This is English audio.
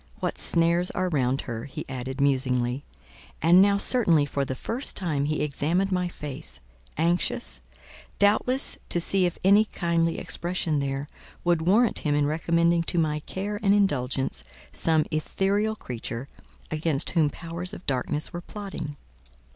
"What snares are round her!" he added, musingly: and now, certainly for the first time, he examined my face, anxious, doubtless, to see if any kindly expression there, would warrant him in recommending to my care and indulgence some ethereal creature, against whom powers of darkness were plotting.